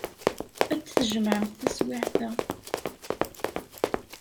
Ad t-tjemɛemt taswiɛt-a.